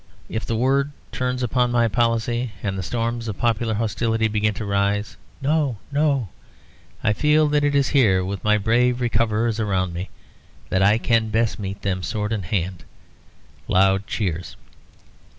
If the world turns upon my policy, and the storms of popular hostility begin to rise (no, no), I feel that it is here, with my brave Recoverers around me, that I can best meet them, sword in hand" (loud cheers).